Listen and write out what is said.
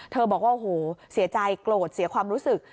บอกว่าโอ้โหเสียใจโกรธเสียความรู้สึก